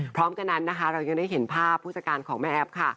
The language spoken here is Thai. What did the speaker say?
พร้อมกันนั้นนะคะเรายังได้เห็นภาพผู้จัดการของแม่แอฟค่ะ